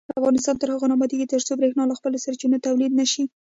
افغانستان تر هغو نه ابادیږي، ترڅو بریښنا له خپلو سرچینو تولید نشي.